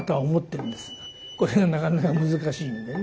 これがなかなか難しいんでね。